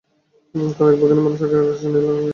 তাঁর এক ভাগিনী মানুষ আঁকে আকাশি নীল রঙে।